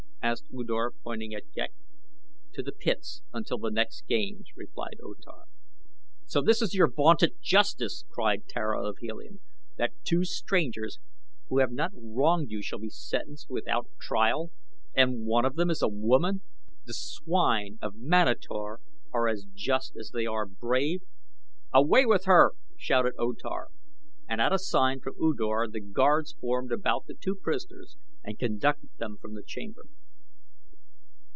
asked U Dor, pointing at Ghek. "To the pits until the next games," replied O Tar. "So this is your vaunted justice!" cried Tara of Helium; "that two strangers who have not wronged you shall be sentenced without trial? And one of them is a woman. The swine of Manator are as just as they are brave." "Away with her!" shouted O Tar, and at a sign from U Dor the guards formed about the two prisoners and conducted them from the chamber.